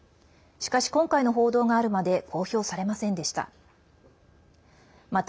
しかし、今回の報道があるまで公表されませんでした。